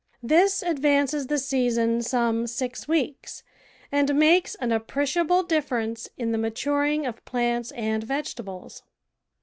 This ad vances the season some six weeks, and makes an appreciable diiference in the maturing of plants and vegetables.